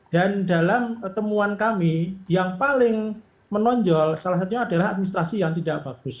dan dalam pertemuan kami yang paling menonjol salah satunya adalah administrasi yang tidak bagus